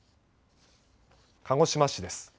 鹿児島市です。